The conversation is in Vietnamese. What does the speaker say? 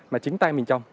mà chính tay mình trồng